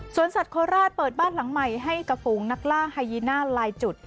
สัตวโคราชเปิดบ้านหลังใหม่ให้กับฝูงนักล่าไฮยีน่าลายจุด